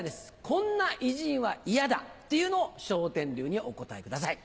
こんな偉人はイヤだっていうのを笑点流にお答えください。